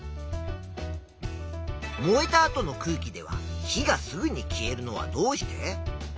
燃えた後の空気では火がすぐに消えるのはどうして？